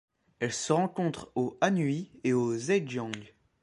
Elle se rencontre au Anhui et au Zhejiang.